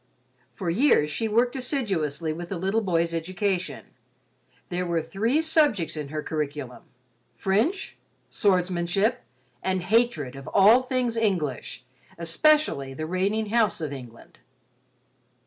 For years, she worked assiduously with the little boy's education. There were three subjects in her curriculum; French, swordsmanship and hatred of all things English, especially the reigning house of England.